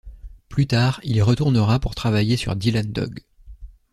Plus tard, il y retournera pour travailler sur Dylan Dog.